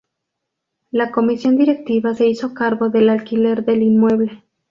La comisión directiva se hizo cargo del alquiler del Inmueble.